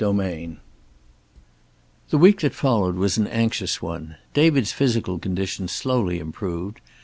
XIII The week that followed was an anxious one. David's physical condition slowly improved.